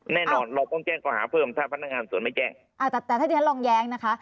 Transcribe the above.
แน่นอนเราต้องแจ้งก่อหาเพิ่มถ้าพนักงานสวนไม่แจ้งอ่าแต่แต่ถ้าที่ฉันลองแย้งนะคะ